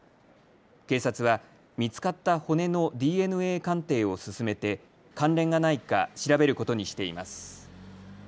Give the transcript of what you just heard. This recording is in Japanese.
警察は見つかった骨のＤＮＡ鑑定を進めて関連がないか調べることにしています。